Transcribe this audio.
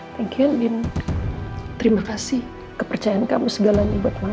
thank you min terima kasih kepercayaan kamu segalanya buat mama